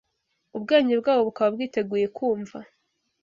ubwenge bwabo bukaba bwiteguye kumva